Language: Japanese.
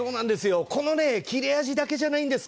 この切れ味だけじゃないんです。